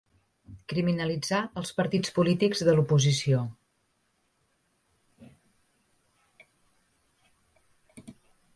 Criminalitzar els partits polítics de l'oposició.